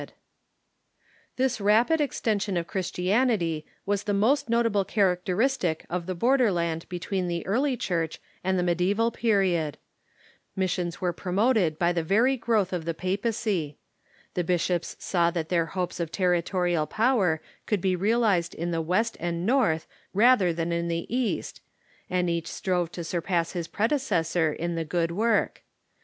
] This rapid extension of Christianity was the most notable characteristic of the border land between the early Church and the mediteval period. Missions were pro "o7chfistia"nir '^oted by the very growth of the papacy. The bishops saw that their hopes of territorial power could be realized in the West and North rather than in the East, and each strove to surpass his predecessor in the good work.